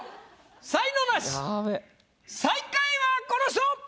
才能ナシ最下位はこの人！